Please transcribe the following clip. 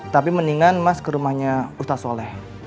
tapi mendingan mas ke rumahnya ustaz soleh